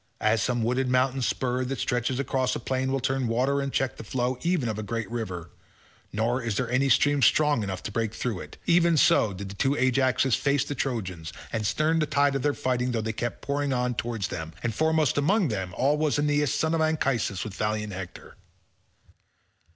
As some wooded mountain spur that stretches across a plain will turn water and check the flow even of a great river, nor is there any stream strong enough to break through it—even so did the two Ajaxes face the Trojans and stem the tide of their fighting though they kept pouring on towards them and foremost among them all was Aeneas son of Anchises with valiant Hector.